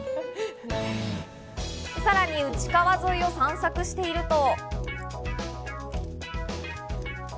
さらに内川沿いを散策していると。